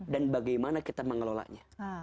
dan bagaimana kita mengelolanya